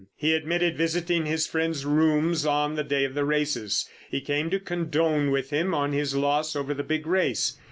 He admitted visiting his friend's rooms on the day of the races—he came to condone with him on his loss over the big race.